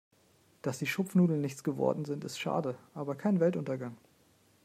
Dass die Schupfnudeln nichts geworden sind, ist schade, aber kein Weltuntergang.